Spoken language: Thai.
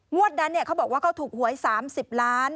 นั้นเขาบอกว่าเขาถูกหวย๓๐ล้าน